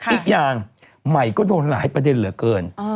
อีกอย่างใหม่ก็โดนหลายประเด็นเหลือเกิน